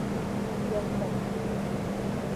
Fiosa.